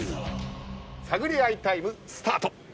探り合いタイムスタート。